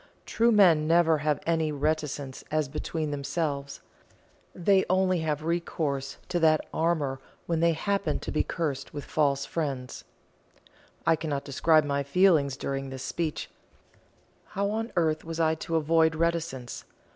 True men never have any reticence as between themselves; they only have recourse to that armour when they happen to be cursed with false friends." I cannot describe my feelings during this speech. How on earth was I to avoid reticence?